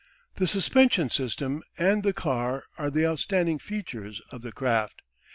The suspension system and the car are the outstanding features of the craft.